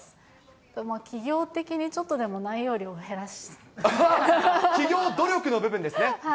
企業的にちょっとでも内容量企業努力の部分ですね。